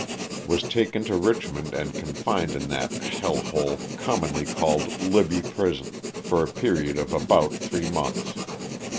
Was taken to Richmond, and confined in that h 1 commonly called *'Libby prison" for a period of about three months.